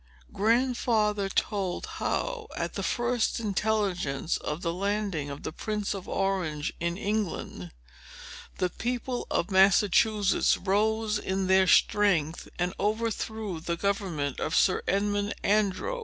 Grandfather told how, at the first intelligence of the landing of the Prince of Orange in England, the people of Massachusetts rose in their strength, and overthrew the government of Sir Edmund Andros.